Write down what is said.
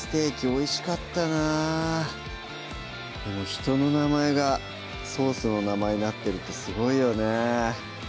おいしかったなでも人の名前がソースの名前になってるってすごいよね